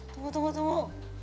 tunggu tunggu tunggu